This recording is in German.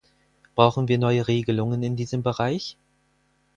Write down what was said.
Brauchen wir neue Regelungen in diesem Bereich?